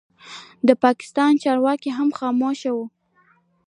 د پاکستان چارواکي هم خاموشه وو.